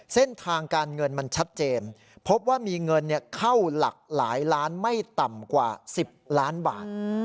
เส้นทางการเงินมันชัดเจนพบว่ามีเงินเข้าหลากหลายล้านไม่ต่ำกว่า๑๐ล้านบาท